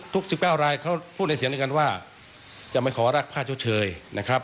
๑๙รายเขาพูดในเสียงเดียวกันว่าจะไม่ขอรักค่าชดเชยนะครับ